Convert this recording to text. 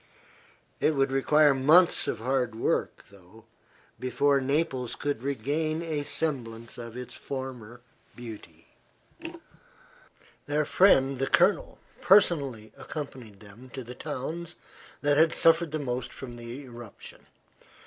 It would require months of hard work, though, before Naples could regain a semblance of its former beauty. Their friend the Colonel personally accompanied them to the towns that had suffered the most from the eruption.